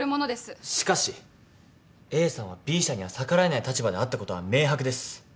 しかしＡさんはＢ社には逆らえない立場であったことは明白です。